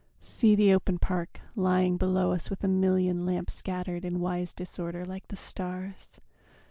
See the open park Lying below us with a million lamps Scattered in wise disorder like the stars.